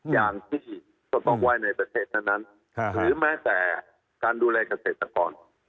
อย่างที่จะต้องไว้ในประเทศเท่านั้นหรือแม้แต่การดูแลเกษตรกร